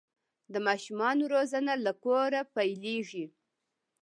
د ماشومانو روزنه له کوره پیلیږي.